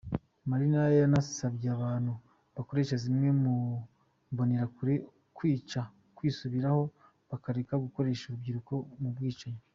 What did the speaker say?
Marina yanasabye abantu bakoresha zimwe mu Mbonerakure kwica, kwisubiraho, bakareka gukoresha urubyiruko mu bwicanyi.